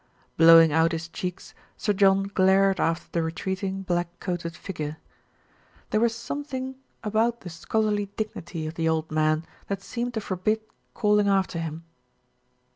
Blowing out his cheeks, Sir John glared after the retreating black coated figure. There was something 324 THE RETURN OF ALFRED about the scholarly dignity of the old man that seemed to forbid calling after him.